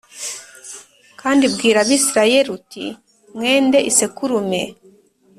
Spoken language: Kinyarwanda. Kandi bwira Abisirayeli uti Mwende isekurume